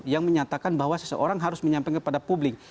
yang menyatakan bahwa seseorang harus menyampaikan kepada publik